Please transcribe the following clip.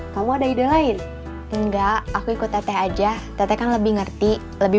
kamu ada ide lain enggak aku ikut aja tetekan lebih ngerti lebih